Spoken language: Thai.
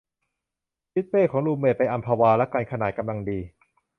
ยึดเป้ของรูมเมทไปอัมพวาละกัน ขนาดกำลังดี